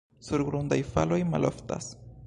Surgrundaj faloj maloftas.